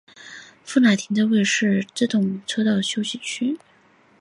富海停车区是位于山口县防府市的山阳自动车道之休息区。